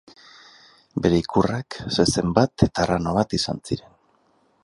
Bere ikurrak zezen bat eta arrano bat izan ziren.